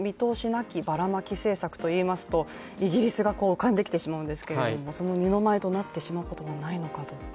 なきばらまき政策といいますとイギリスが浮かんできてしまうんですけども、その二の舞となってしまうことがないのかどうか。